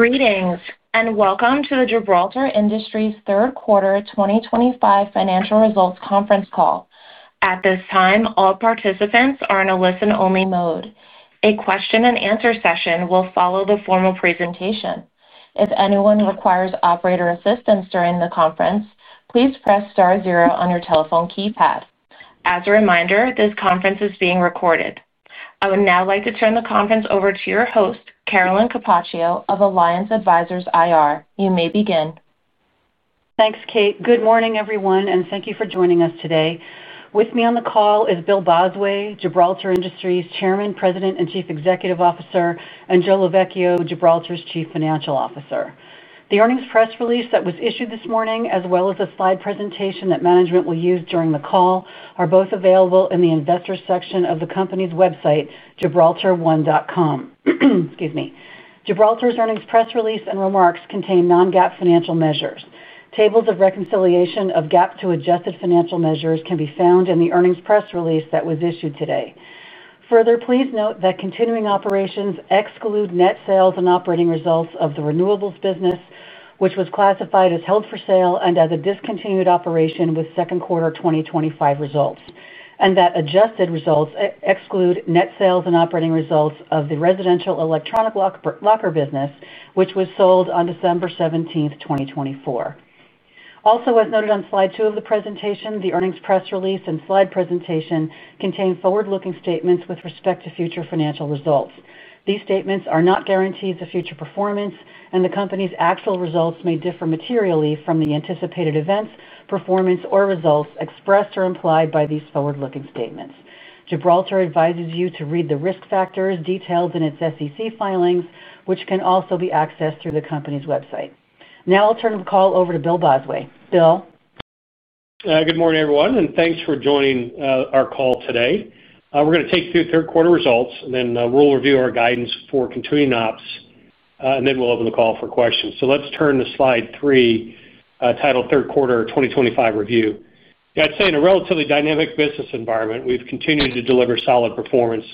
Greetings and welcome to Gibraltar Industries' 3rd Quarter 2025 Financial Results Conference Call. At this time, all participants are in a listen-only mode. A question and answer session will follow the formal presentation. If anyone requires operator assistance during the conference, please press star zero on your telephone keypad. As a reminder, this conference is being recorded. I would now like to turn the conference over to your host, Carolyn Capaccio of Alliance Advisors IR. You may begin. Thanks, Kate. Good morning, everyone, and thank you for joining us today. With me on the call is Bill Bosway, Gibraltar Industries Chairman, President and Chief Executive Officer, and Joe Lovechio, Gibraltar's Chief Financial Officer. The earnings press release that was issued this morning, as well as a slide presentation that management will use during the call, are both available in the Investors section of the company's website, gibraltar1.com. Gibraltar's earnings press release and remarks contain non-GAAP financial measures. Tables of reconciliation of GAAP to adjusted financial measures can be found in the earnings press release that was issued today. Further, please note that continuing operations exclude net sales and operating results of the renewables business, which was classified as held for sale and as a discontinued operation with second quarter 2025 results, and that adjusted results exclude net sales and operating results of the residential electronic locker business, which was sold on December 17, 2024. Also, as noted on Slide two of the presentation, the earnings press release and slide presentation contain forward-looking statements with respect to future financial results. These statements are not guarantees of future performance, and the company's actual results may differ materially from the anticipated events, performance, or results expressed or implied by these forward-looking statements. Gibraltar advises you to read the risk factors detailed in its SEC filings, which can also be accessed through the company's website. Now I'll turn the call over to Bill Bosway. Good morning everyone and thanks for joining our call. Today we're going to take you through third quarter results and then we'll review our guidance for continuing ops and then we'll open the call for questions. Let's turn to Slide three titled Third Quarter 2025 Review. I'd say in a relatively dynamic business environment we've continued to deliver solid performance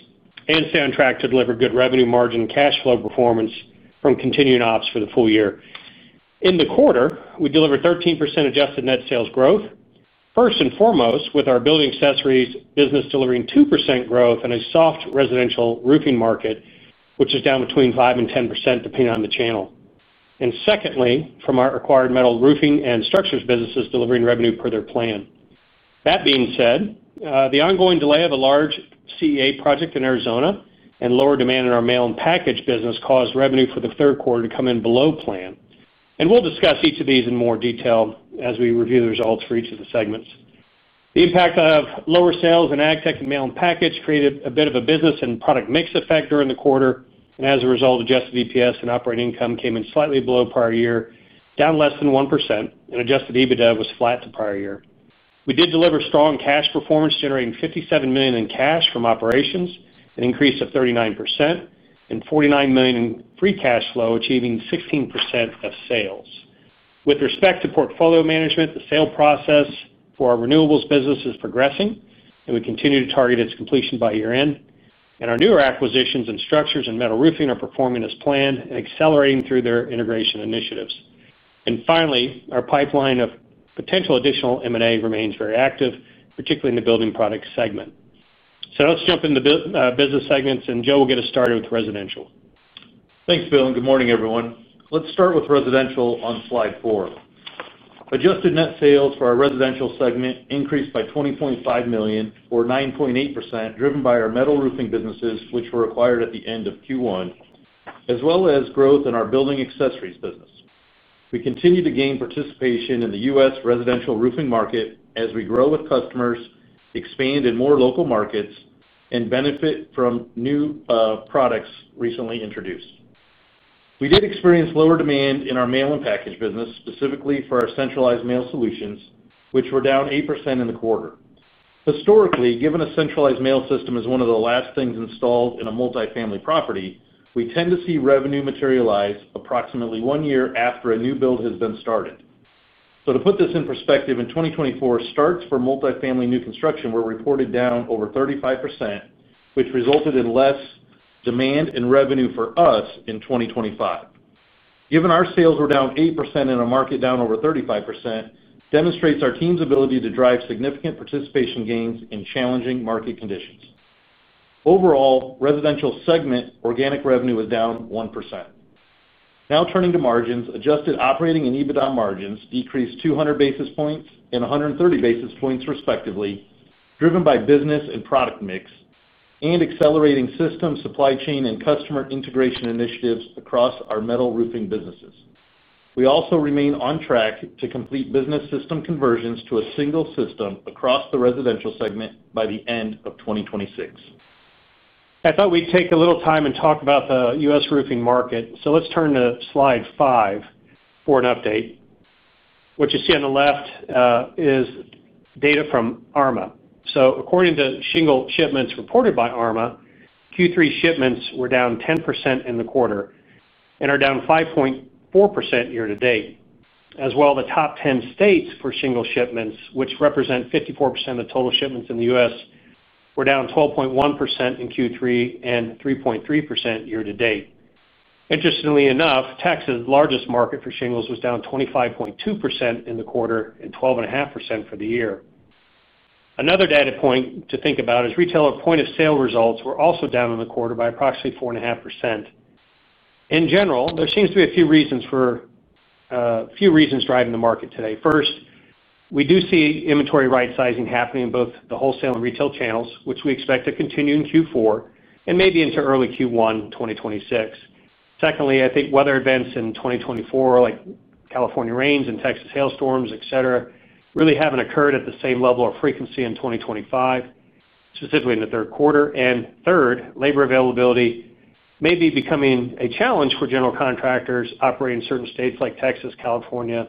and stay on track to deliver good revenue, margin, and cash flow performance from continuing ops. For the full year and the quarter we delivered 13% adjusted net sales growth first and foremost with our building accessories business delivering 2% growth in a soft residential roofing market which is down between 5% and 10% depending on the channel and secondly from our acquired metal roofing and structures businesses delivering revenue per their plan. That being said, the ongoing delay of a large Controlled Environment Agriculture (CEA) project in Arizona and lower demand in our mail and package business caused revenue for the third quarter to come in below plan and we'll discuss each of these in more detail as we review the results for each of the segments. The impact of lower sales in AgTech and mail and package created a bit of a business and product mix effect during the quarter and as a result adjusted EPS and operating income came in slightly below prior year, down less than 1% and adjusted EBITDA was flat to prior year. We did deliver strong cash performance, generating $57 million in cash from operations, an increase of 39% and $49 million in free cash flow, achieving 16% of sales. With respect to portfolio management, the sale process for our renewables business is progressing and we continue to target its completion by year end and our newer acquisitions in structures and metal roofing are performing as planned, accelerating through their integration initiatives. Finally, our pipeline of potential additional M&A remains very active, particularly in the building products segment. Let's jump into business segments and Joe will get us started with residential. Thanks Bill and good morning everyone. Let's start with residential on slide four. Adjusted net sales for our residential segment increased by $20.5 million or 9.8%, driven by our metal roofing businesses which were acquired at the end of Q1, as well as growth in our building accessories business. We continue to gain participation in the U.S. residential roofing market as we grow with customers, expand in more local markets, and benefit from new products recently introduced. We did experience lower demand in our mail and package business, specifically for our centralized mail solutions, which were down 8% in the quarter. Historically, given a centralized mail system is one of the last things installed in a multifamily property, we tend to see revenue materialize approximately one year after a new build has been started. To put this in perspective, in 2024, starts for multifamily new construction were reported down over 35%, which resulted in less demand and revenue for us in 2025. Given our sales were down 8% in a market down over 35% demonstrates our team's ability to drive significant participation gains in challenging market conditions. Overall, residential segment organic revenue was down 1%. Now turning to margins, adjusted operating and EBITDA margins decreased 200 basis points and 130 basis points respectively, driven by business and product mix and accelerating system supply chain and customer integration initiatives across our metal roofing businesses. We also remain on track to complete business system conversions to a single system across the residential segment by the end of 2026. I thought we'd take a little time and talk about the U.S. roofing market. Let's turn to slide five for an update. What you see on the left is data from ARMA. According to shingle shipments reported by ARMA, Q3 shipments were down 10% in the quarter and are down 5.4% year-to-date. As well, the top 10 states for shingle shipments, which represent 54% of the total shipments in the U.S., were down 12.1% in Q3 and 3.3% year-to-date. Interestingly enough, Texas, the largest market for shingles, was down 25.2% in the quarter and 12.5% for the year. Another data point to think about is retailer point of sale results were also down in the quarter by approximately 4.5%. In general, there seems to be a few reasons driving the market today. First, we do see inventory rightsizing happening in both the wholesale and retail channels, which we expect to continue in Q4 and maybe into early Q1 2026. Secondly, I think weather events in 2024, like California rains and Texas hailstorms, etc., really haven't occurred at the same level of frequency in 2025, specifically in the third quarter. Third, labor availability may be becoming a challenge for general contractors operating in certain states like Texas, California,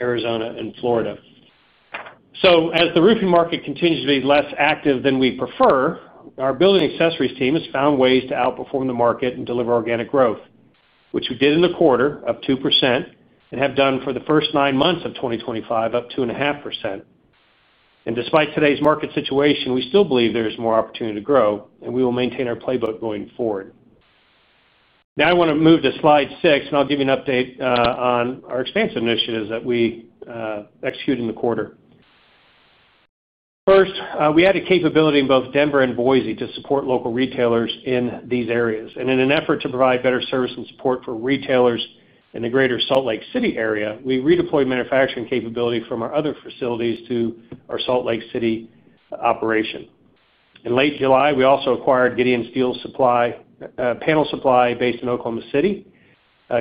Arizona, and Florida. As the roofing market continues to be less active than we prefer, our building accessories team has found ways to outperform the market and deliver organic growth, which we did in the quarter, up 2%, and have done for the first nine months of 2025, up 2.5%. Despite today's market situation, we still believe there is more opportunity to grow and we will maintain our playbook going forward. Now I want to move to slide six and I'll give you an update on our expansion initiatives that we executed in the quarter. First, we added capability in both Denver and Boise to support local retailers in these areas. In an effort to provide better service and support for retailers in the greater Salt Lake City area, we redeployed manufacturing capability from our other facilities to our Salt Lake City operation. In late July, we also acquired Gideon Steel Supply, based in Oklahoma City.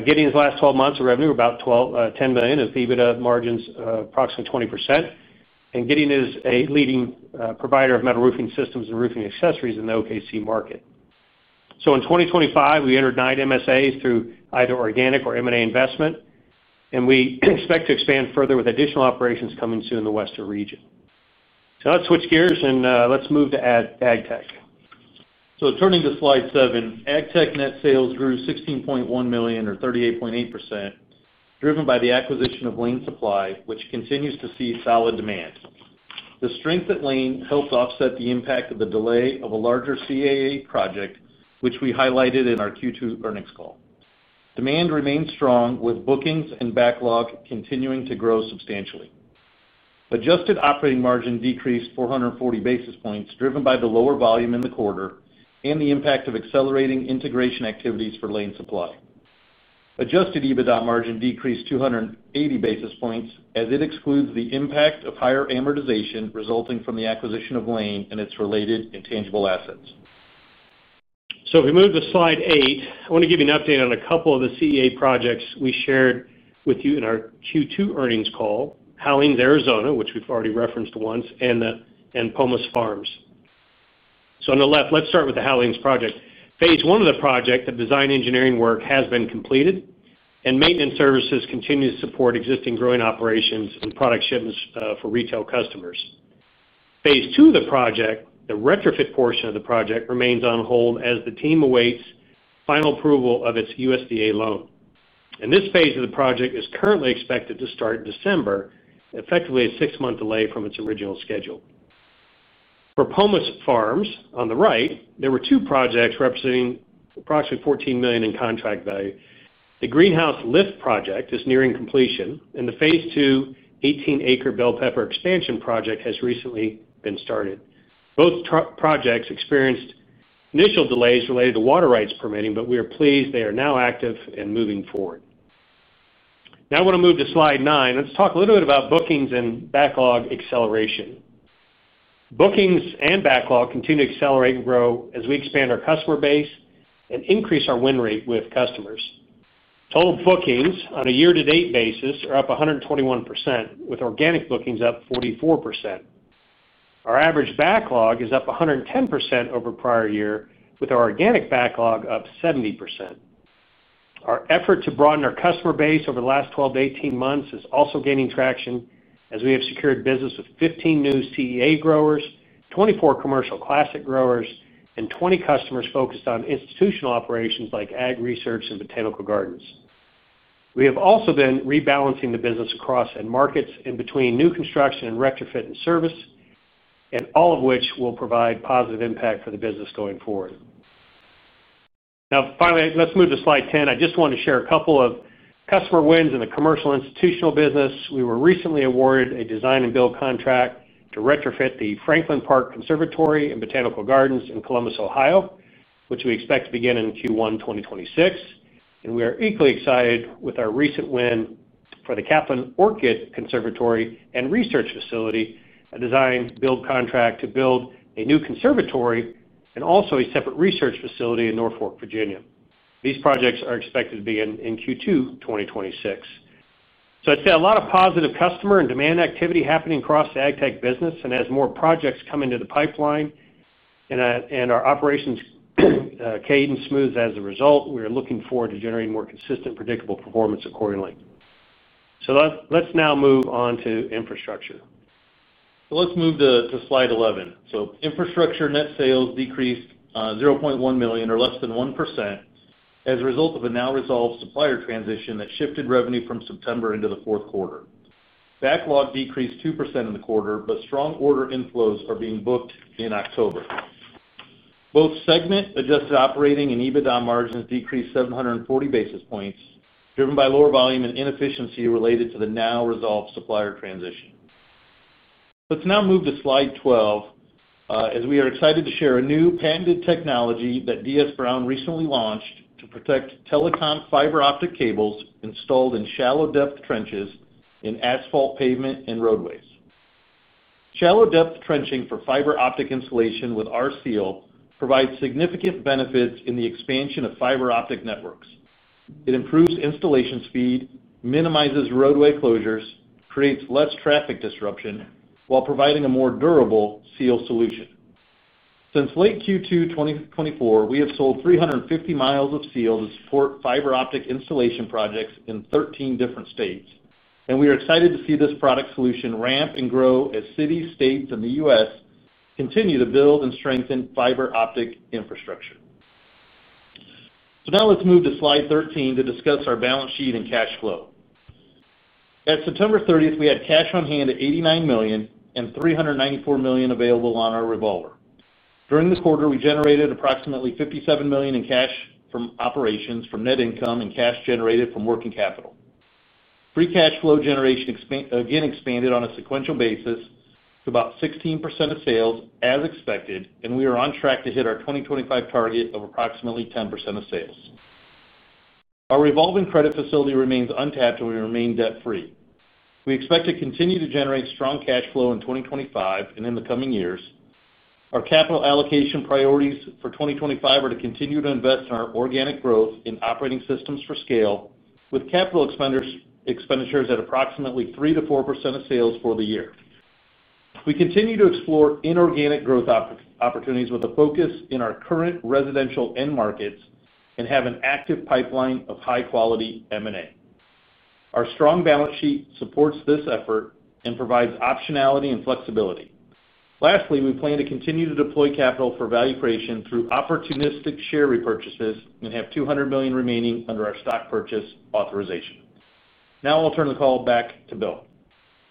Gideon's last 12 months of revenue about $10 million with EBITDA margins approximately 20%. Gideon is a leading provider of metal roofing systems and roofing accessories in the OKC market. In 2025 we entered nine MSAs through either organic or M&A investment and we expect to expand further with additional operations coming soon. The Western Region. Let's switch gears and let's move to AgTech. Turning to slide seven, AgTech net sales grew $16.1 million or 38.8% driven by the acquisition of Lane Supply which. Continues to see solid demand. The strength at Lane helped offset the impact of the delay of a larger CEA project which we highlighted in our Q2 earnings call. Demand remains strong with bookings and backlog continuing to grow substantially. Adjusted operating margin decreased 440 basis points, driven by the lower volume in the quarter and the impact of accelerating integration activities for Lane Supply. Adjusted EBITDA margin decreased 280 basis points as it excludes the impact of higher amortization resulting from the acquisition of Lane and its related intangible assets. If we move to slide eight, I want to give you an update on a couple of the Controlled Environment Agriculture (CEA) projects we shared with you in our Q2 earnings call: Howlings Arizona, which we've already referenced once, and the Pomas Farms. On the left, let's start with the Howlings project. Phase one of the project, the design engineering work has been completed and maintenance services continue to support existing growing operations and product shipments for retail customers. Phase two of the project, the retrofit portion of the project remains on hold as the team awaits final approval of its USDA loan, and this phase of the project is currently expected to start in December, effectively a six-month delay from its original schedule. For Pomas Farms on the right, there were two projects representing approximately $14 million in contract value. The Greenhouse Lift project is nearing completion, and the phase two 18-acre bell pepper expansion project has recently been started. Both projects experienced initial delays related to water rights permitting, but we are pleased they are now active and moving forward. Now I want to move to slide nine. Let's talk a little bit about bookings and backlog acceleration. Bookings and backlog continue to accelerate and grow as we expand our customer base and increase our win rate with customers. Total bookings on a year-to-date basis are up 121% with organic bookings up 44%. Our average backlog is up 110% over prior year, with our organic backlog up 70%. Our effort to broaden our customer base over the last 12 months-18 months is also gaining traction as we have secured business with 15 new CEA growers, 24 commercial classic growers, and 20 customers focused on institutional operations like ag research and botanical gardens. We have also been rebalancing the business across end markets in between new construction and retrofit and service, all of which will provide positive impact for the business going forward. Now, finally, let's move to slide 10. I just want to share a couple of customer wins in the commercial institutional business. We were recently awarded a design and build contract to retrofit the Franklin Park Conservatory and Botanical Gardens in Columbus, Ohio, which we expect to begin in Q1 2026. We are equally excited with our recent win for the Kaplan Orchid Conservatory and Research Facility, a design build contract to build a new conservatory and also a separate research facility in Norfolk, Virginia. These projects are expected to be in Q2 2026. I'd say a lot of positive customer and demand activity happening across the AgTech business, and as more projects come into the pipeline and our operations cadence smooths as a result, we are looking forward to generating more consistent, predictable performance accordingly. Let's now move on to infrastructure. Let's move to slide 11. Infrastructure net sales decreased $0.1 million or less than 1% as a result of a now resolved supplier transition that shifted revenue from September into the fourth quarter. Backlog decreased 2% in the quarter, but strong order inflows are being booked. In October, both segment adjusted operating and EBITDA margins decreased 740 basis points, driven by lower volume and inefficiency related to the now resolved supplier transition. Let's now move to slide 12 as we are excited to share a new patented technology that DS Brown recently launched to protect telecom fiber optic cables installed in shallow depth trenches in asphalt pavement and roadways. Shallow depth trenching for fiber optic installation with R Seal provides significant benefits in the expansion of fiber optic networks. It improves installation speed, minimizes roadway closures, creates less traffic disruption, while providing a more durable seal solution. Since late Q2 2024, we have sold 350 miles of seal to support fiber optic installation projects in 13 different states, and we are excited to see this product solution ramp and grow as cities, states, and the U.S. continue to build and strengthen fiber optic infrastructure. Now let's move to slide 13 to discuss our balance sheet and cash flow. At September 30th, we had cash on hand at $89 million and $394 million available on our revolver. During this quarter, we generated approximately $57 million in cash from operations from net income and cash generated from working capital. Free cash flow generation again expanded on a sequential basis to about 16% of sales as expected, and we are on track to hit our 2025 target of approximately 10% of sales. Our revolving credit facility remains untapped, and we remain debt free. We expect to continue to generate strong cash flow in 2025 and in the coming years. Our capital allocation priorities for 2025 are to continue to invest in our organic growth in operating systems for scale, with capital expenditures at approximately 3%-4% of sales for the year. We continue to explore inorganic growth opportunities with a focus in our current residential end markets and have an active pipeline of high quality M&A. Our strong balance sheet supports this effort and provides optionality and flexibility. Lastly, we plan to continue to deploy capital for value creation through opportunistic share repurchases and have $200 million remaining under. Our stock purchase authorization. Now I'll turn the call back to Bill.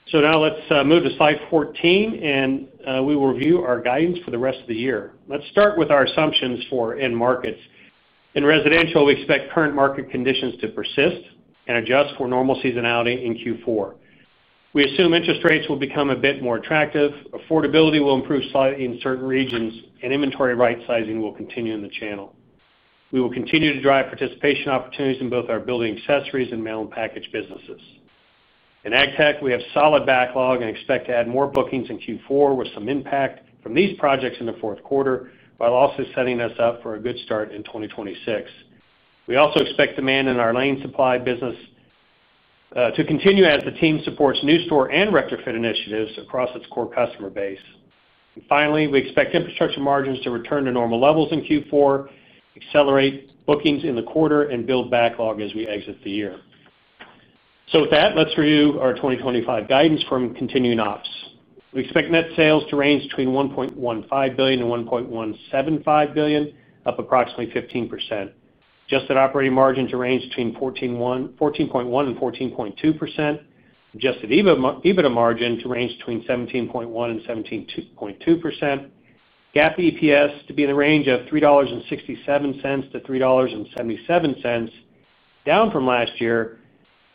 So now let's move to slide 14 and we will review our guidance for the rest of the year. Let's start with our assumptions for end markets. In residential, we expect current market conditions to persist and adjust for normal seasonality. In Q4, we assume interest rates will become a bit more attractive, affordability will improve slightly in certain regions, and inventory rightsizing will continue in the channel. We will continue to drive participation opportunities in both our building accessories and mail and package businesses. In AgTech, we have solid backlog and expect to add more bookings in Q4 with some impact from these projects in the fourth quarter while also setting us up for a good start in 2026. We also expect demand in our Lane Supply business to continue as the team supports new store and retrofit initiatives across its core customer base. Finally, we expect infrastructure margins to return to normal levels in Q4, accelerate bookings in the quarter, and build backlog as we exit the year. With that, let's review our 2025 guidance from continuing ops. We expect net sales to range between $1.15 billion and $1.175 billion, up approximately 15%. Adjusted operating margin to range between 14.1% and 14.2%. Adjusted EBITDA margin to range between 17.1% and 17.2%. GAAP EPS to be in the range of $3.67-$3.77, down from last year,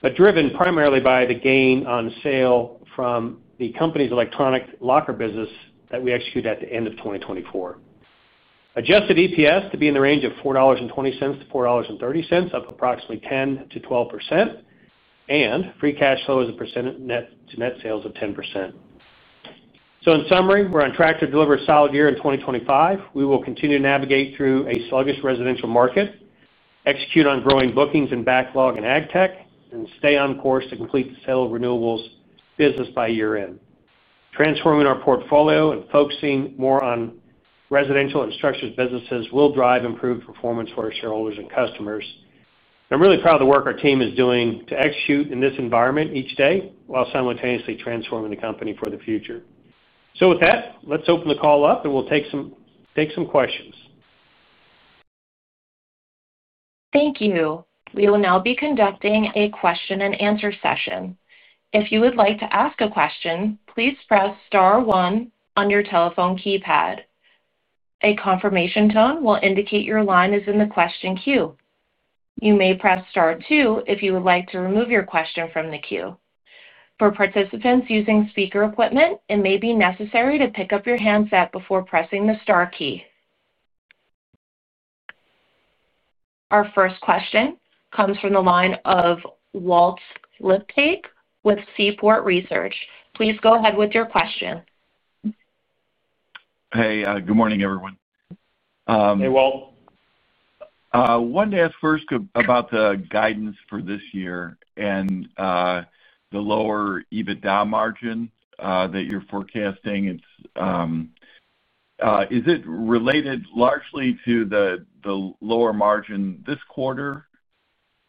but driven primarily by the gain on sale from the company's electronic locker business that we executed at the end of 2024. Adjusted EPS to be in the range of $4.20-$4.30, up approximately 10%-12%, and free cash flow as a percentage to net sales of 10%. In summary, we're on track to deliver a solid year in 2025. We will continue to navigate through a sluggish residential market, execute on growing bookings and backlog in AgTech, and stay on course to complete the sale of renewables business by year end. Transforming our portfolio and focusing more on residential and structured businesses will drive improved performance for our shareholders and customers. I'm really proud of the work our team is doing to execute in this environment each day while simultaneously transforming the company for the future. With that, let's open the call up and we'll take some questions. Thank you. We will now be conducting a question and answer session. If you would like to ask a question, please press star one on your telephone keypad. A confirmation tone will indicate your line is in the question queue. You may press star two if you would like to remove your question from the queue. For participants using speaker equipment, it may be necessary to pick up your handset before pressing the star key. Our first question comes from the line of Walt Liptak with Seaport Research. Please go ahead with your question. Good morning, everyone. One about the guidance for this year and the lower EBITDA margin that you're forecasting, is it related largely to the lower margin this quarter?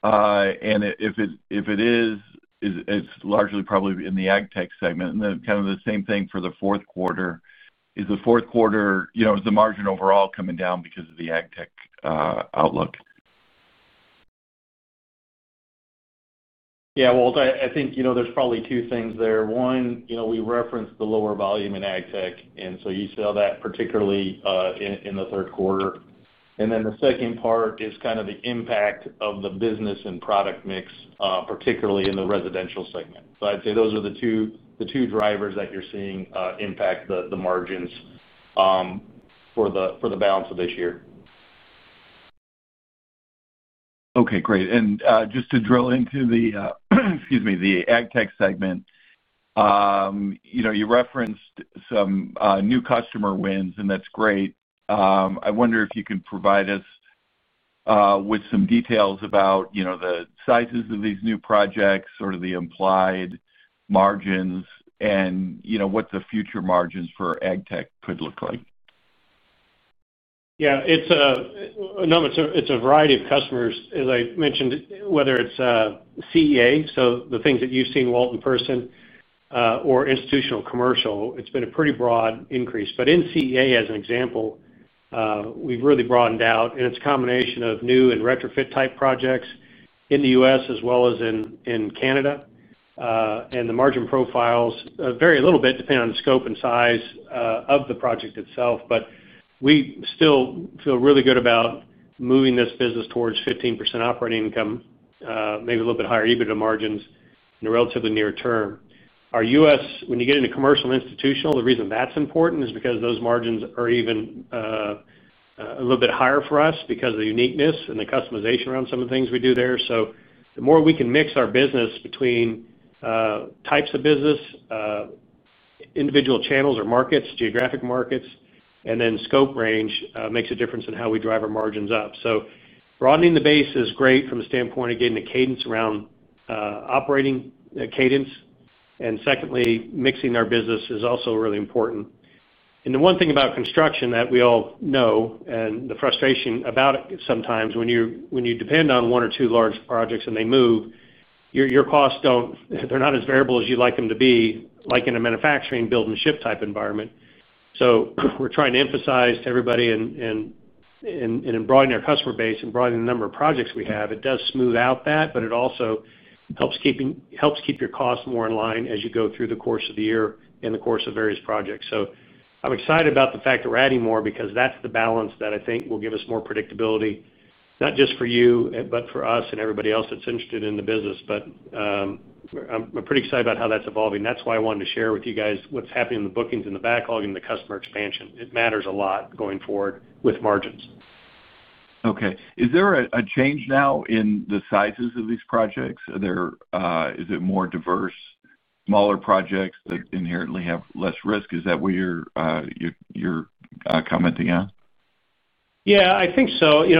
If it is, it's largely, probably in the AgTech segment. Kind of the same thing for the fourth quarter. Is the fourth quarter, is the margin overall coming down because of the AgTech outlook? Yeah, Walt, I think there's probably two things there. One, we referenced the lower volume in. AgTech and so you saw that particularly. In the third quarter, the second part is kind of the impact of the business and product mix, particularly in the residential segment. I'd say those are the two. Drivers that you're seeing impact the margins for the balance of this year. Okay, great. To drill into the AgTech segment, you referenced some new customer wins, and that's great. I wonder if you can provide us with some details about the sizes of these new projects, the implied margins, and what the future margins are for AgTech could look like. Yeah, it's a variety of customers, as I mentioned, whether it's CEA, so the things that you've seen, Walt, in person, or institutional, commercial, it's been a pretty broad increase. In CEA as an example, we've really broadened out and it's a combination of new and retrofit type projects in the U.S. as well as in Canada. The margin profiles vary a little bit depending on the scope and size of the project itself. We still feel really good about moving this business towards 15% operating income, maybe a little bit higher EBITDA margins in the relatively near term. Our U.S., when you get into commercial and institutional, the reason that's important is because those margins are even a little bit higher for us because of the uniqueness and the customization around some of the things we do there. The more we can mix our business between types of business, individual channels or markets, geographic markets, and then scope range makes a difference in how we drive our margins up. Broadening the base is great from the standpoint of getting the cadence around operating cadence. Secondly, mixing our business is also really important. The one thing about construction that we all know and the frustration about it sometimes when you depend on one or two large projects and they move, your costs don't. They're not as variable as you'd like them to be, like in a manufacturing, build and ship type environment. We're trying to emphasize to everybody and in broadening our customer base and broadening the number of projects we have, it does smooth out that, but it also helps keep your costs more in line as you go through the course of the year in the course of various projects. I'm excited about the fact that we're adding more because that's the balance that I think will give us more predictability, not just for you, but for us and everybody else that's interested in the business. I'm pretty excited about how that's evolving. That's why I wanted to share with you guys what's happening in the bookings and the backlog and the customer expansion. It matters a lot going forward with margins. Okay, is there a change now in the sizes of these projects? Is it more diverse, smaller projects that? Inherently have less risk? Is that what you're commenting on? Yeah, I think so. In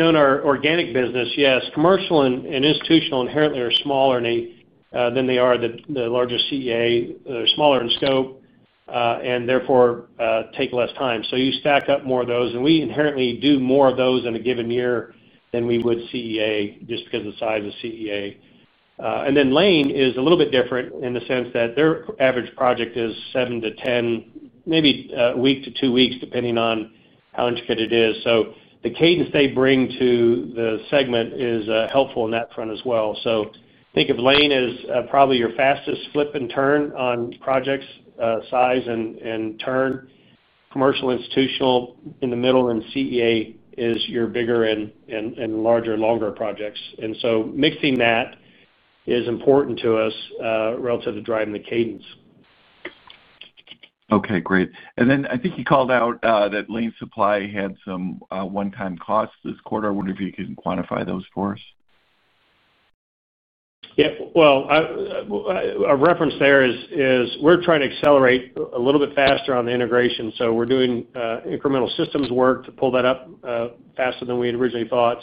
our organic business, yes, commercial and institutional inherently are smaller than they are the largest CEA. They're smaller in scope and therefore take less time. You stack up more of those, and we inherently do more of those in a given year than we would CEA just because of the size of CEA. Lane is a little bit different in the sense that their average project is seven to 10, maybe a week to two weeks, depending on how intricate it is. The cadence they bring to the segment is helpful on that front as well. Think of Lane as probably your fastest flip and turn on project size and turn, commercial, institutional in the middle, and CEA is your bigger and larger, longer projects. Mixing that is important to us relative to driving the cadence. Okay, great. I think you called out that Lane Supply had some one-time costs this quarter. I wonder if you can quantify those for us. Yeah, a reference there is we're trying to accelerate a little bit faster on the integration. We're doing incremental systems work to pull that up faster than we originally thought.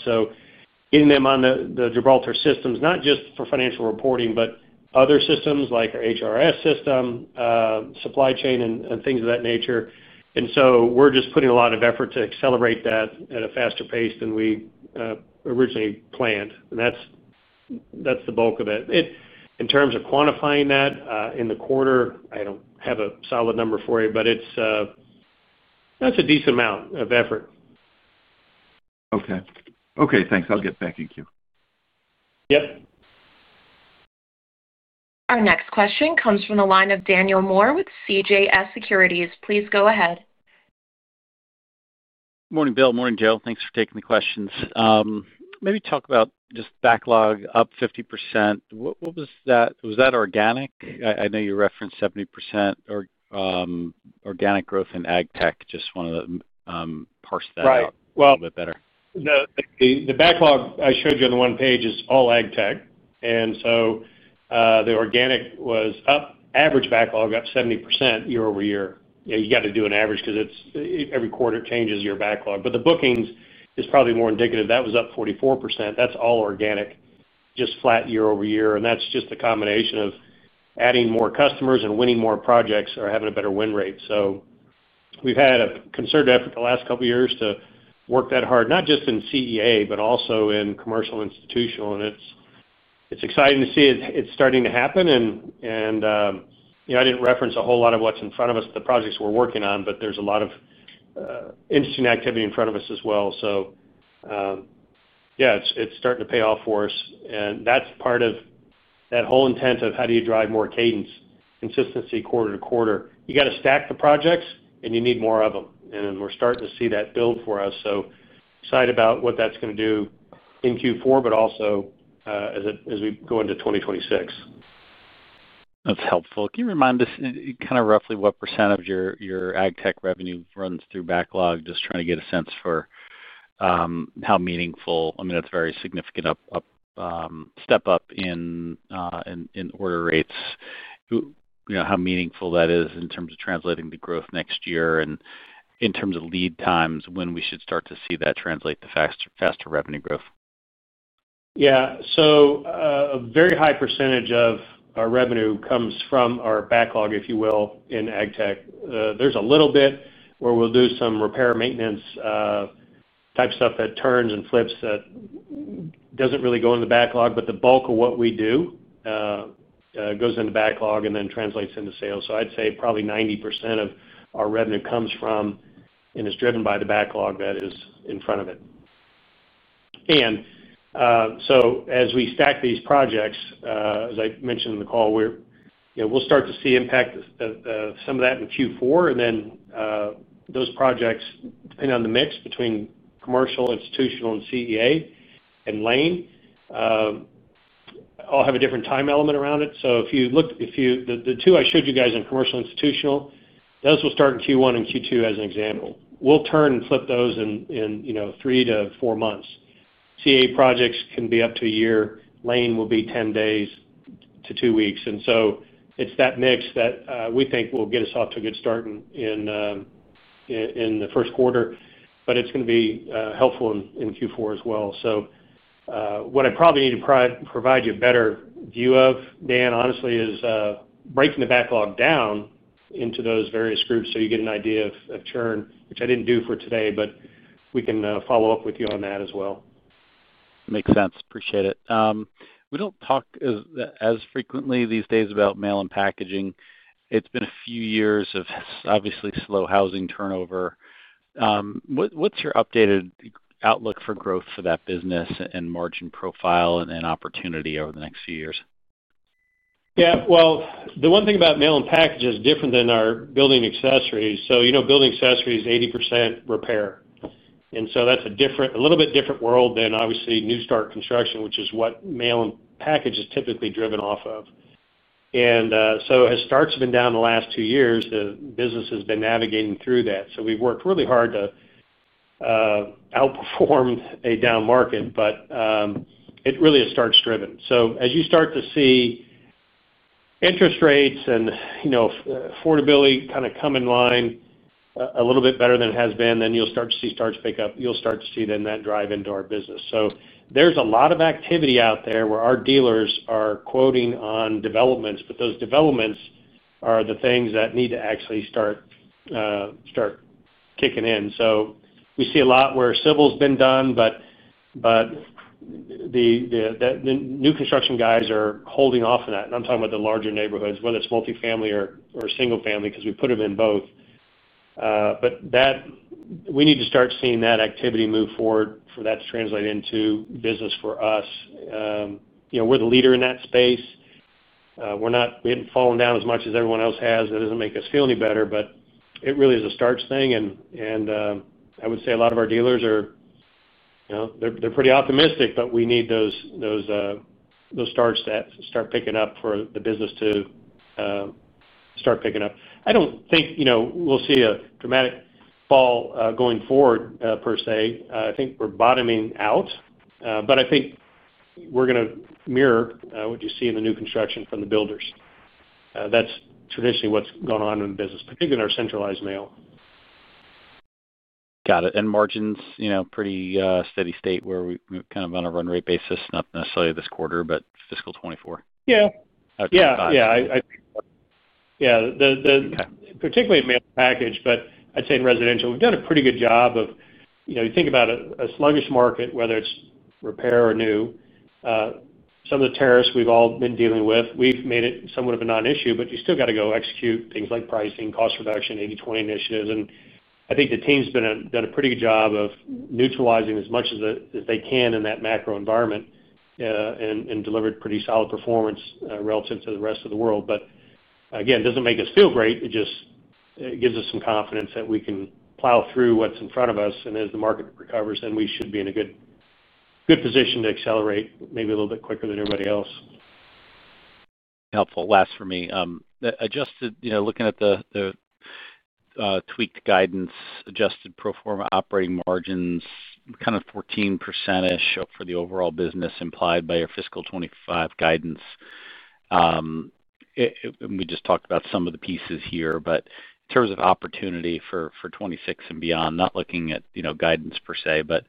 Getting them on the Gibraltar systems, not just for financial reporting, but other systems like our HRS system, supply chain, and things of that nature. We're just putting a lot of effort to accelerate that at a faster pace than we originally planned. That's the bulk of it. In terms of quantifying that in the quarter, I don't have a solid number for you, but it's a decent amount of effort. Okay, thanks. I'll get back in queue. Yep. Our next question comes from the line of Daniel Moore with CJS Securities. Please go ahead. Morning, Bill. Morning, Joe. Thanks for taking the questions. Maybe talk about just backlog up 50%. What was that? Was that organic? I know you referenced 70% organic. Organic growth in AgTech. Just wanted to parse that out a little bit better. The backlog I showed you on the one page is all AgTech. The organic was up average, backlog up 70% year-over-year. You got to do an average because every quarter changes your backlog. The bookings is probably more indicative. That was up 44%. That's all organic, just flat year-over-year. That's just a combination of adding more customers and winning more projects or having a better win rate. We've had a concerted effort the last couple years to work that hard, not just in CEA, but also in commercial institutional. It's exciting to see it starting to happen. I didn't reference a whole lot of what's in front of us, the projects we're working on, but there's a lot of interesting activity in front of us as well. It's starting to pay off for us. That's part of that whole intent of how do you drive more cadence, consistency. Quarter-to-quarter you got to stack the projects and you need more of them. We're starting to see that build for us. Excited about what that's going to do in Q4, but also as we go into 2026. That's helpful. Can you remind us kind of roughly what % of your AgTech revenue runs through backlog? Just trying to get a sense for how meaningful. I mean that's very significant upgrade, step up in order rates, how meaningful that is in terms of translating the growth next year and in terms of lead times when we should start to see that translate to faster revenue growth. Yeah, so a very high percentage of our revenue comes from our backlog, if you will. In AgTech there's a little bit where we'll do some repair, maintenance type stuff that turns and flips, that doesn't really go in the backlog, but the bulk of what we do goes into backlog and then translates into sales. I'd say probably 90% of our revenue comes from and is driven by the backlog that is in front of it. As we stack these projects, as I mentioned in the call, we'll start to see impact some of that in Q4. Those projects, depending on the mix between Commercial Institutional and Controlled Environment Agriculture and Lane all have a different time element around it. If you look, the two I showed you guys in Commercial Institutional, those will start in Q1 and Q2 as an example, we'll turn and flip those in three to four months. Controlled Environment Agriculture projects can be up to a year. Lane will be 10 days to two weeks. It's that mix that we think will get us off to a good start in the first quarter, but it's going to be helpful in Q4 as well. What I probably need to provide you a better view of, Dan, honestly, is breaking the backlog down into those various groups so you get an idea of churn, which I didn't do for today, but we can follow up with you on that as well. Makes sense. Appreciate it. We don't talk as frequently these days about mail and packaging. It's been a few years of obviously slow housing turnover. What's your updated outlook for growth for that business and margin profile and opportunity over the next few years? The one thing about mail and package is different than our building accessories. Building accessories, 80% repair, and that's a little bit different world than obviously new start construction, which is what mail and package is typically driven off of. As starts have been down the last two years, the business has been navigating through that. We've worked really hard to outperform a down market, but it really is starts driven. As you start to see interest rates and affordability kind of come in line a little bit better than it has been, you'll start to see starts pick up, you'll start to see that drive into our business. There's a lot of activity out there where our dealers are quoting on developments, but those developments are the things that need to actually start kicking in. We see a lot where civil's been done, but the new construction guys are holding off on that. I'm talking about the larger neighborhoods, whether it's multifamily or single family, because we put them in both. We need to start seeing that activity move forward for that to translate into business for us. We're the leader in that space. We haven't fallen down as much as everyone else has. That doesn't make us feel any better, but it really is a starts thing. I would say a lot of our dealers are pretty optimistic, but we need those starts to start picking up for the business to start picking up. I don't think we'll see a dramatic fall going forward per se. I think we're bottoming out. I think we're going to mirror what you see in the new construction from the builders. That's traditionally what's going on in the business, particularly in our centralized mail. Got it. Margins pretty steady state where we kind of on a run rate basis, not necessarily this quarter, but fiscal 2024. Particularly in mail package. I'd say in residential, we've done a pretty good job of, you know, you think about a sluggish market, whether it's repair or new, some of the tariffs we've all been dealing with, we've made it somewhat of a non-issue. You still got to go execute things like pricing, cost reduction, 80/20 initiatives. I think the team's done a pretty good job of neutralizing as much as they can in that macro environment and delivered pretty solid performance relative to the rest of the world. It doesn't make us feel great. It just gives us some confidence that we can plow through what's in front of us. As the market recovers, we should be in a good position to accelerate maybe a little bit quicker than everybody else. Helpful. Last for me, adjusted. Looking at the tweaked guidance, adjusted pro forma operating margins, kind of 14%-ish for the overall business implied by your fiscal 2025 guidance. We just talked about some of the pieces here, but in terms of opportunity for 2026 and beyond, not looking at guidance per se, but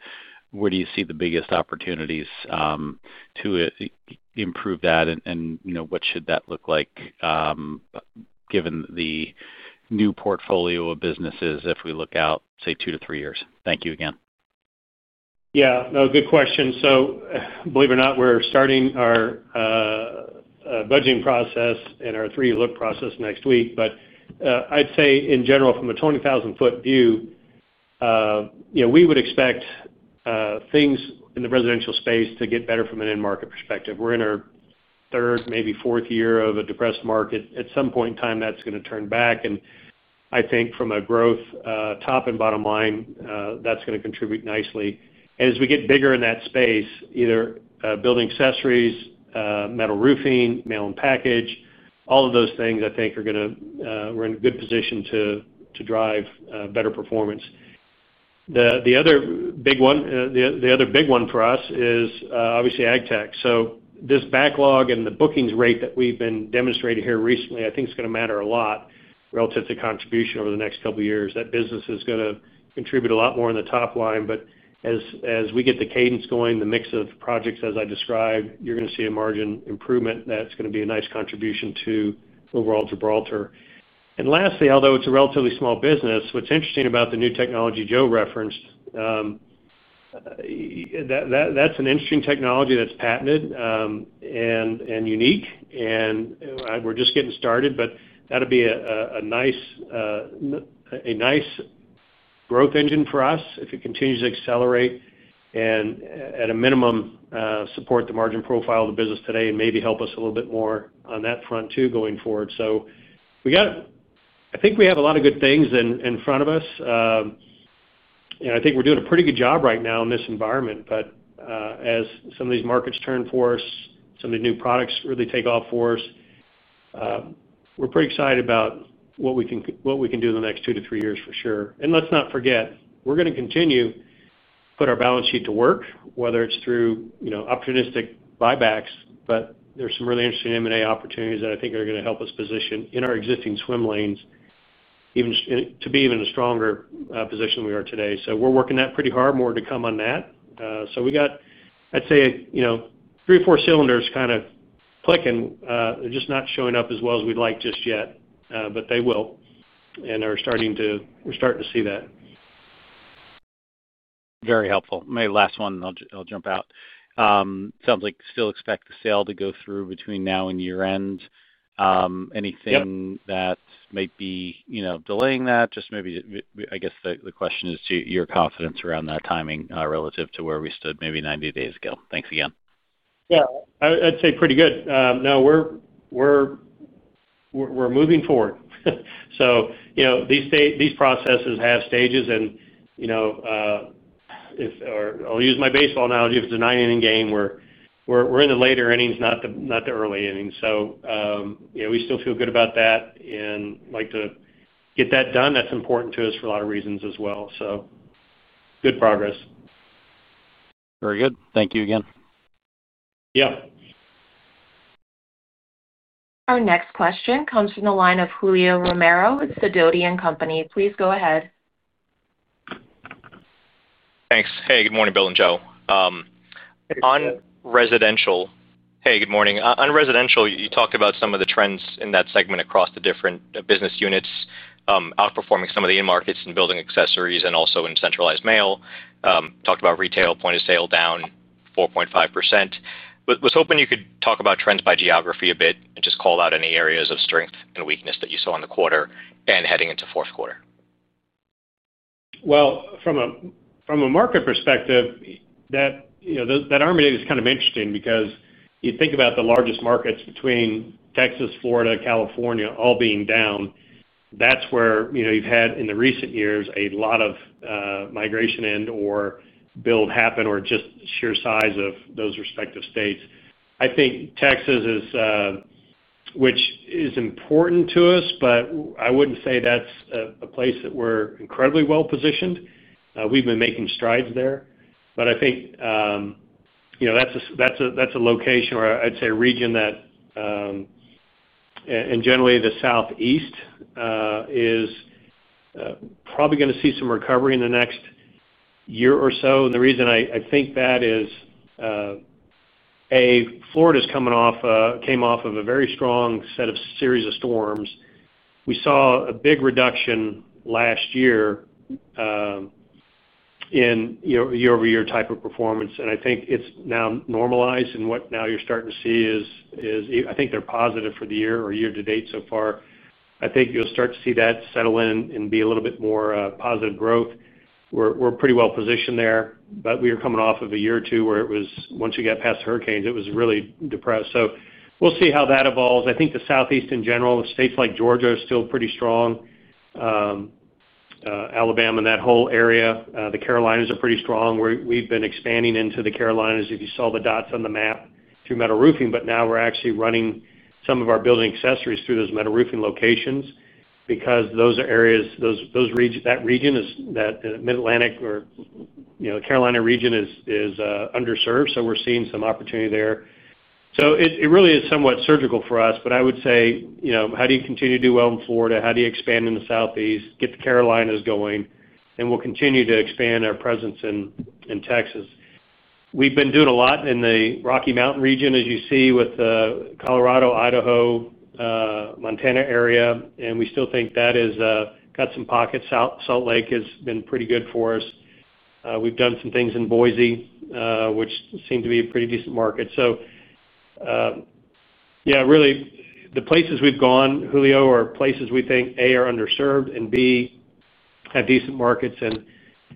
where do you see the biggest opportunities to improve that and what should that look like given the new portfolio of businesses if we look out, say, two to three years. Thank you again. Yeah, no, good question. Believe it or not, we're starting our budgeting process and our 3D look process next week. I'd say in general, from a 20,000-foot view, we would expect things in the residential space to get better. From an end market perspective, we're in our third, maybe fourth year of a depressed market. At some point in time, that's going to turn back and I think from a growth top and bottom line, that's going to contribute nicely. As we get bigger in that space, either building accessories, metal roofing, mail and package, all of those things, I think we're in a good position to drive better performance. The other big one for us is obviously AgTech. This backlog and the bookings rate that we've been demonstrating here recently, I think, is going to matter a lot relative to contribution over the next couple of years. That business is going to contribute a lot more in the top line. As we get the cadence going, the mix of projects as I described, you're going to see a margin improvement that's going to be a nice contribution to overall Gibraltar. Lastly, although it's a relatively small business, what's interesting about the new technology Joe referenced, that's an interesting technology that's patented and unique and we're just getting started, but that would be a nice growth engine for us if it continues to accelerate and at a minimum support the margin profile of the business today and maybe help us a little bit more on that front too going forward. I think we have a lot of good things in front of us. I think we're doing a pretty good job right now in this environment. As some of these markets turn for us, some of the new products really take off for us. We're pretty excited about what we can do in the next two to three years for sure. Let's not forget we're going to continue to put our balance sheet to work, whether it's through opportunistic buybacks. There are some really interesting M&A opportunities that I think are going to help us position in our existing swim lanes to be in an even stronger position than we are today. We're working that pretty hard, more to come on that. I'd say three or four cylinders are kind of clicking, just not showing up as well as we'd like just yet. They will and we're starting to see that. Very helpful. Maybe last one, I'll jump out. Sounds like still expect the sale to go through between now and year end. Anything that might be delaying that? I guess the question is your confidence around that timing relative to where we stood maybe 90 days ago. Thanks again. I'd say pretty good. We're moving forward. These processes have stages, and I'll use my baseball analogy. If it's a nine inning game, we're in the later innings, not the early innings. We still feel good about that and like to get that done. That's important to us for a lot of reasons as well. Good progress. Very good. Thank you again. Yeah. Our next question comes from the line of Julio Romero, Sidoti & Company. Please go ahead. Thanks. Good morning Bill and Joe on residential. Good morning. On residential you talked about some of the trends in that segment across the different business units outperforming some of the end markets in building accessories and also in centralized mail. Talked about retail point of sale down 4.5%. Was hoping you could talk about trends by geography a bit and just call out any areas of strength and weakness that you saw in the quarter and heading into fourth quarter. From a market perspective, that armor data is kind of interesting because you think about the largest markets between Texas, Florida, California all being down. That's where you've had in the recent years a lot of migration and or build happen or just sheer size of those respective states. I think Texas is important to us, but I wouldn't say that's a place that we're incredibly well positioned. We've been making strides there. I think that's a location, or I'd say a region, that and generally the Southeast is probably going to see some recovery in the next year or so. The reason I think that is Florida came off of a very strong set of series of storms. We saw a big reduction last year in year-over-year type of performance, and I think it's now normalized. What you're starting to see is I think they're positive for the year or year-to-date so far. I think you'll start to see that settle in and be a little bit more positive growth. We're pretty well positioned there, but we are coming off of a year or two where it was, once you get past hurricanes, it was really depressed. We'll see how that evolves. I think the Southeast in general, states like Georgia are still pretty strong. Alabama and that whole area, the Carolinas are pretty strong. We've been expanding into the Carolinas, if you saw the dots on the map, through metal roofing. Now we're actually running some of our building accessories through those metal roofing locations because those areas, that region, that Mid Atlantic or Carolina region is underserved. We're seeing some opportunity there. It really is somewhat surgical for us. I would say how do you continue to do well in Florida? How do you expand in the Southeast? Get the Carolinas going and we'll continue to expand our presence in Texas. We've been doing a lot in the Rocky Mountain region, as you see with Colorado, Idaho, Montana area, and we still think that has got some pockets. Salt Lake has been pretty good for us. We've done some things in Boise, which seem to be a pretty decent market. Really the places we've gone, Julio, are places we think, A, are underserved and, B, have decent markets.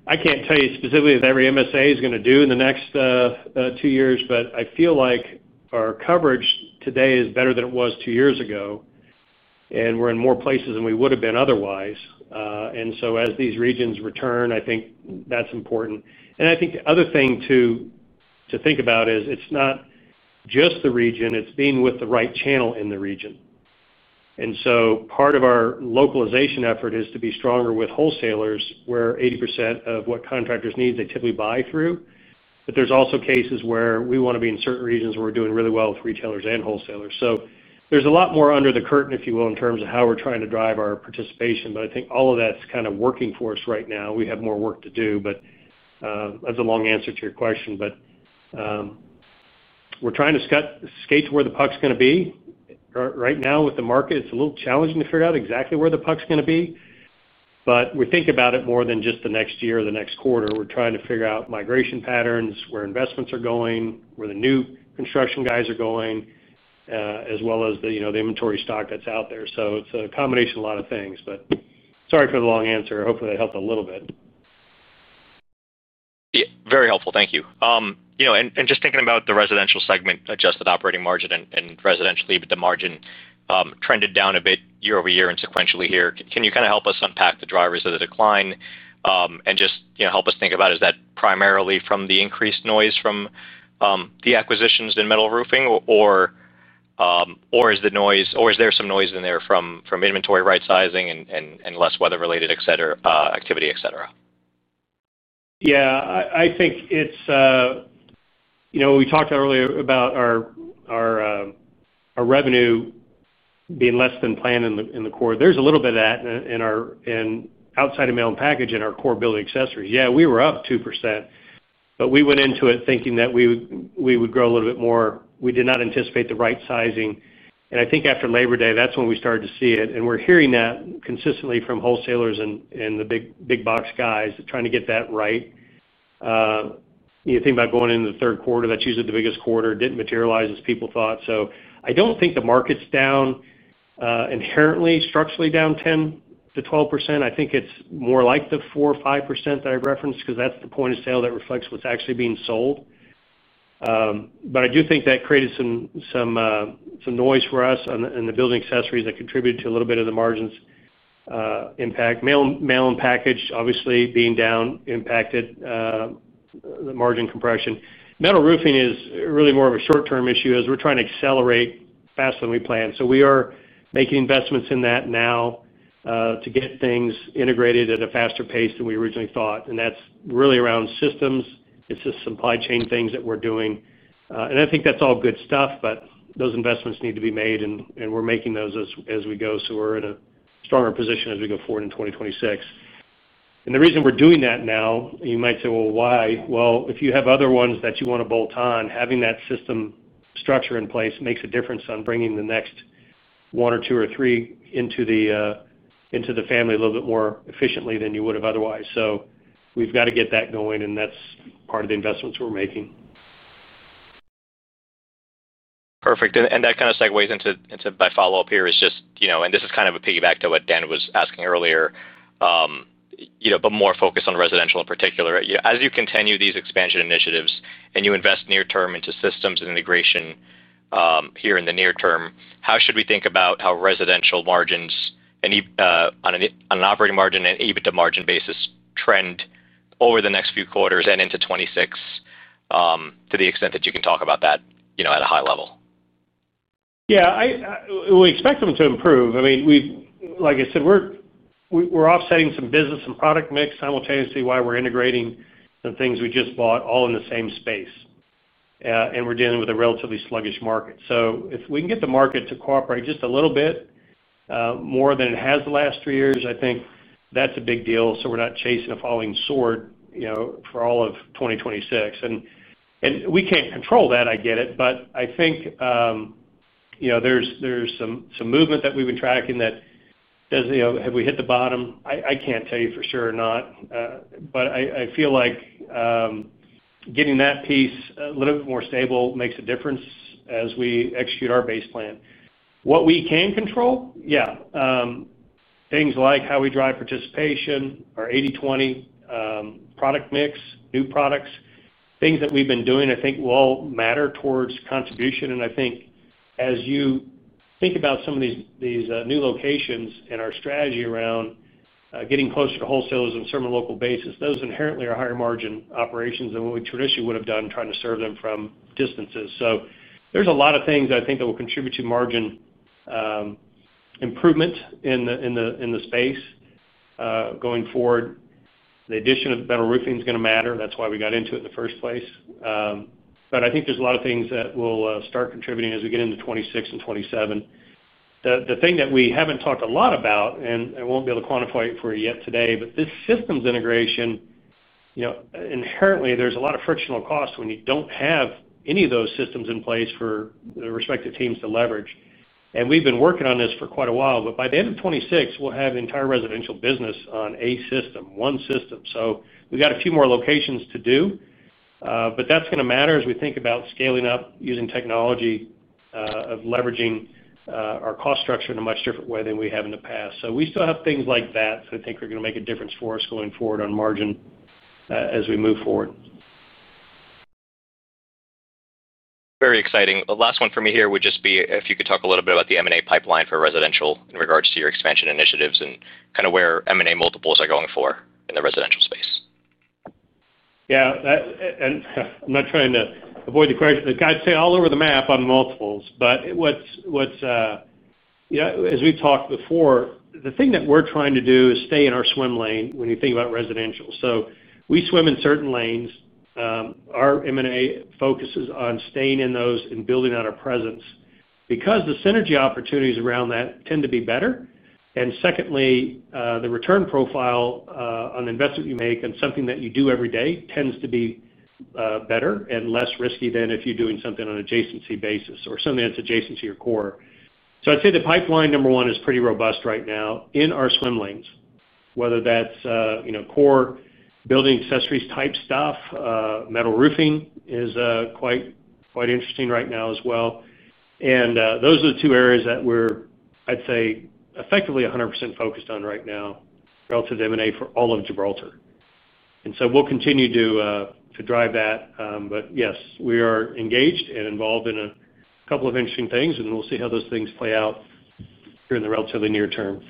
I can't tell you specifically what every MSA is going to do in the next two years, but I feel like our coverage today is better than it was two years ago and we're in more places than we would have been otherwise. As these regions return, I think that's important. I think the other thing to think about is it's not just the region, it's being with the right channel in the region. Part of our localization effort is to be stronger with wholesalers, where 80% of what contractors need, they typically buy through. There are also cases where we want to be in certain regions where we're doing really well with retailers and wholesalers. There's a lot more under the curtain, if you will, in terms of how we're trying to drive our participation. I think all of that's kind of working for us right now. We have more work to do, but that's a long answer to your question. We're trying to skate to where the puck's going to be right now with the market. It's a little challenging to figure out exactly where the puck's going to be, but we think about it more than just the next year or the next quarter. We're trying to figure out migration patterns, where investments are going, where the new construction guys are going, as well as the inventory stock that's out there. It's a combination of a lot of things. Sorry for the long answer. Hopefully that helped a little bit. Very helpful, thank you. Just thinking about the residential segment adjusted operating margin and residential EBITDA margin trended down a bit year-over-year and sequentially here. Can you kind of help us unpack the drivers of the decline and just help us think about is that primarily from the increased noise from the acquisitions in metal roofing, or is there some noise in there from inventory right sizing and less weather-related activity, et cetera? I think it's, you know, we talked earlier about our revenue being less than planned in the core. There's a little bit of that outside of mail and package in our core building accessories. We were up 2%, but we went into it thinking that we would grow a little bit more. We did not anticipate the right sizing. I think after Labor Day that's when we started to see it. We're hearing that consistently from wholesalers and the big box guys trying to get that right. You think about going into the third quarter, that's usually the biggest quarter, didn't materialize as people thought. I don't think the market's down inherently structurally down 10%-12%. I think it's more like the 4% or 5% that I referenced because that's the point of sale that reflects what's actually being sold. I do think that created some noise for us and the building accessories that contributed to a little bit of the margins impact. Mail and package obviously being down impacted the margin. Compression metal roofing is really more of a short term issue as we're trying to accelerate faster than we planned. We are making investments in that now to get things integrated at a faster pace than we originally thought. That's really around systems. It's just supply chain things that we're doing. I think that's all good stuff. Those investments need to be made and we're making those as we go. We're in a stronger position as we go forward in 2026. The reason we're doing that now, you might say, why? If you have other ones that you want to bolt on, having that system structure in place makes a difference on bringing the next one or two or three into the family a little bit more efficiently than you would have otherwise. We've got to get that going. That's part of the investments we're making. Perfect. That kind of segues into my follow-up here. This is kind of a piggyback to what Dan was asking earlier, but more focused on residential in particular. As you continue these expansion initiatives and you invest near term into systems and integration here in the near term, how should we think about how residential margins on an operating margin and EBITDA margin basis trend over the next few quarters and into 2026? To the extent that you can talk about that at a high level. Yeah. We expect them to improve. Like I said, we're offsetting some business and product mix simultaneously. Why? We're integrating the things we just bought all in the same space, and we're dealing with a relatively sluggish market. If we can get the market to cooperate just a little bit more than it has the last three years, I think that's a big deal. We're not chasing a falling sword for all of 2026, and we can't control that. I get it, but I think there's some movement that we've been tracking. Have we hit the bottom? I can't tell you for sure or not, but I feel like getting that piece a little bit more stable makes a difference as we execute our base plan, what we can control. Things like how we drive participation, our 80/20 product mix, new products, things that we've been doing, I think will matter towards contribution. As you think about some of these new locations and our strategy around getting closer to wholesalers and serving a local basis, those inherently are higher margin operations than what we traditionally would have done trying to serve them from. There's a lot of things I think that will contribute to margin improvement in the space going forward. The addition of metal roofing is going to matter. That's why we got into it in the first place. I think there's a lot of things that will start contributing as we get into 2026 and 2027. The thing that we haven't talked a lot about, and I won't be able to quantify it for you yet today, but this systems integration inherently, there's a lot of frictional cost when you don't have any of those systems in place for their respective teams to leverage. We've been working on this for quite a while, but by the end of 2026, we'll have the entire residential business on a System 1 system. We've got a few more locations to do, but that's going to matter as we think about scaling up, using technology, leveraging our cost structure in a much different way than we have in the past. We still have things like that. I think we're going to make a difference for us going forward on margin as we move forward. Very exciting. The last one for me here would just be if you could talk a little bit about the M&A pipeline for residential in regards to your expansion initiatives and kind of where M&A multiples are going for in the residential space. I'm not trying to avoid the question. The guys say all over the map on multiples. As we've talked before, the thing that we're trying to do is stay in our swim lane when you think about residential. We swim in certain lanes. Our M&A focuses on staying in those and building out our presence because the synergy opportunities around that tend to be better. Secondly, the return profile on the investment you make in something that you do every day tends to be better and less risky than if you're doing something on an adjacency basis or something that's adjacent to yours. I'd say the pipeline, number one, is pretty robust right now in our swim lanes. Whether that's core building, accessories type stuff, metal roofing is quite interesting right now as well. Those are the two areas that we're, I'd say, effectively 100% focused on right now relative to M&A for all of Gibraltar. We'll continue to drive that. Yes, we are engaged and involved in a couple of interesting things and we'll see how those things play out during the relatively near term.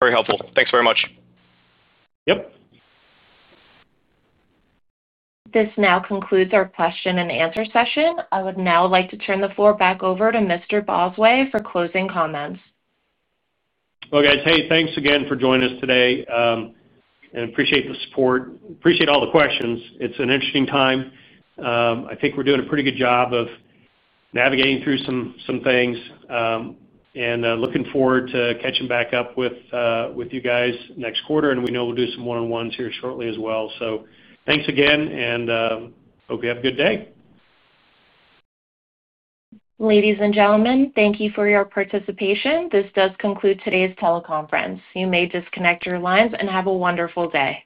Very helpful. Thanks very much. Yep. This now concludes our question and answer session. I would now like to turn the floor back over to Mr. Bosway for closing comments. Thank you again for joining us today and appreciate the support. Appreciate all the questions. It's an interesting time. I think we're doing a pretty good job of navigating through some things and looking forward to catching back up with you guys next quarter. We know we'll do some one on ones here shortly as well. Thanks again and hope you have a good day. Ladies and gentlemen, thank you for your participation. This does conclude today's teleconference. You may disconnect your lines and have a wonderful day.